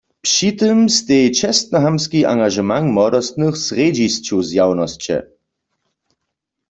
Při tym steji čestnohamtski angažement młodostnych w srjedźisću zjawnosće.